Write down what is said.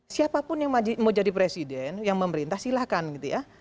siapapun yang mau jadi presiden yang memerintah silahkan gitu ya